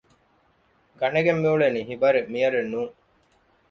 ގަނެގެން މިއުޅެނީ ހިބަރެއް މިޔަރެއް ނޫން